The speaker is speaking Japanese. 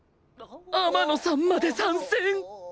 天野さんまで参戦！